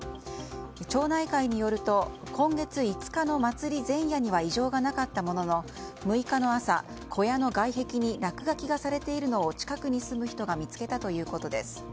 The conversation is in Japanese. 町内会によると今月５日の祭前夜には異常がなかったものの６日の朝、小屋の外壁に落書きがされているのを近くに住む人が見つけたということです。